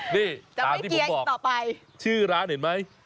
นี่ตามที่ผมบอกชื่อร้านเห็นมั้ย